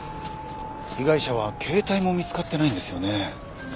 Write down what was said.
被害者は携帯も見つかってないんですよね？